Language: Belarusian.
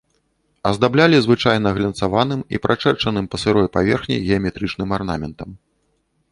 Аздаблялі звычайна глянцаваным і прачэрчаным па сырой паверхні геаметрычным арнаментам.